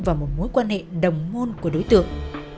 vào một mối quan hệ đồng môn của đối tượng